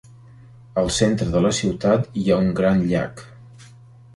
All centre de la ciutat hi ha un gran llac.